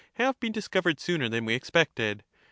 have been discovered sooner than we expected